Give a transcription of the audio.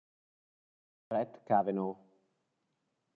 Brett Kavanaugh